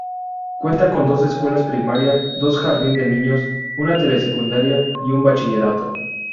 Cuenta con dos escuelas primaria, dos jardín de niños, una telesecundaria y un bachillerato.